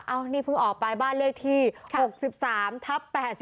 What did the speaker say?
เอ้านี่พึ่งออกไปบ้านเลือกที่๖๓ทับ๘๙